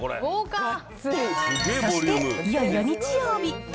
そしていよいよ日曜日。